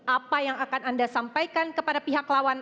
apa yang akan anda sampaikan kepada pihak lawan